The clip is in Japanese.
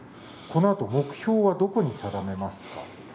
このあと、目標はどこに定めますか。